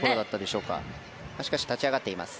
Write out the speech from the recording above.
しかし、立ち上がっています。